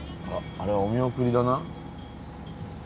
あれはお見送りだな。